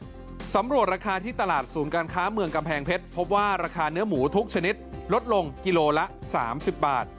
สำรวจราคาที่ตลาดศูนย์การค้าเมืองกำแพงเพชรพบว่าราคาเนื้อหมูทุกชนิดลดลงกิโลละ๓๐บาท